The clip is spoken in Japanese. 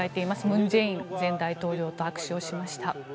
文在寅前大統領と握手をしました。